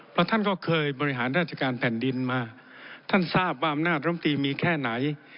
เพราะท่านก็เคยบริหารราชการแผ่นดินมาท่านทราบว่าอำนาจร่มตีมีแค่ไหน